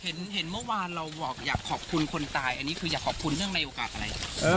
เห็นเมื่อวานเราอยากขอบคุณคนตายอันนี้คืออยากขอบคุณเนื่องในโอกาสอะไร